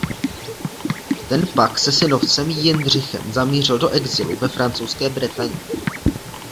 Ten pak se synovcem Jindřichem zamířil do exilu ve francouzské Bretani.